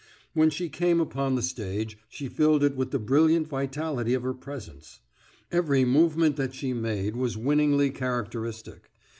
When she came upon the stage she filled it with the brilliant vitality of her presence. Every movement that she made was winningly characteristic.